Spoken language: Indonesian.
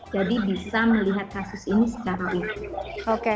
jadi bisa melihat kasus ini secara unik